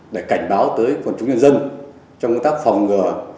để cảnh báo tới quần chúng nhân dân trong công tác phòng ngừa